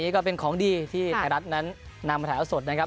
ก็เป็นของดีที่ไทยรัฐนั้นนำมาถ่ายแล้วสดนะครับ